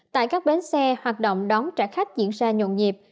tại các bến xe hoạt động đón trả khách diễn ra nhộn nhịp